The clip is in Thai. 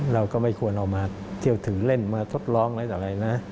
เราก็ไม่ควรเอามาเที่ยวถือเล่นมาทดลองอะไรต่ออะไรนะ